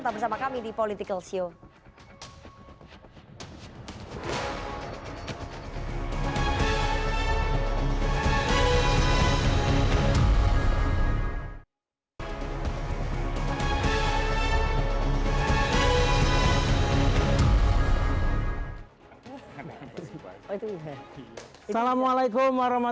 tetap bersama kami di politikalshow